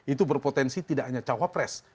itu berpotensi tidak hanya cawapres